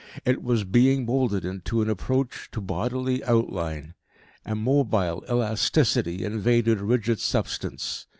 It was being moulded into an approach to bodily outline. A mobile elasticity invaded rigid substance.